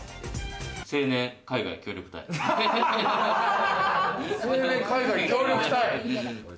青年海外協力隊。